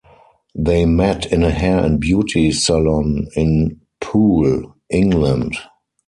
They met in a hair and beauty salon in Poole, England.